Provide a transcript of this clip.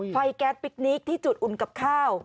แก๊สพิคนิคที่จุดอุ่นกับข้าว